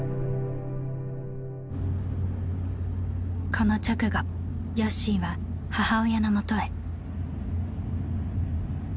この直後よっしーは母親のもとへ。